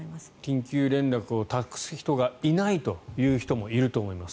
緊急連絡を託す人がいないという人もいると思います。